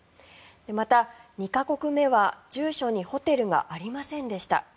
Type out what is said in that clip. また２か国目は、住所にホテルがありませんでした。